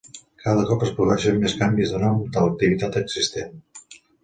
Cada cop es produeixen més canvis de nom de l'activitat existent.